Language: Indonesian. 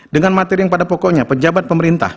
dengan materi yang pada pokoknya pejabat pemerintah